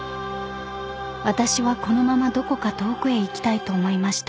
［私はこのままどこか遠くへ行きたいと思いました］